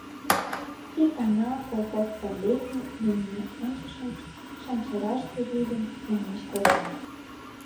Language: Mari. Икана колхоз правлений имне ончышым Шанчарашке вӱльым налаш колтен.